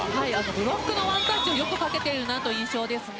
ブロックのワンタッチもよくかけている印象です。